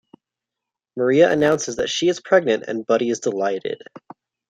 Maria announces that she is pregnant and Buddy is delighted.